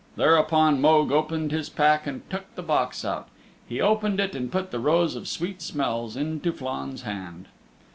Thereupon Mogue opened his pack and took the box out. He opened it and put the Rose of Sweet Smells into Flann's hand.